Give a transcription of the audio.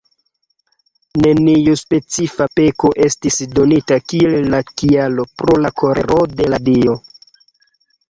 Neniu specifa peko estis donita kiel la kialo pro la kolero de la dio.